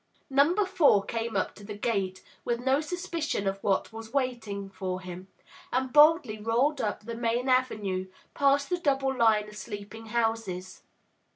Number Four came up to the city gate, with no suspicion of what was awaiting him, and boldly rolled up the main avenue, past the double line of sleeping houses.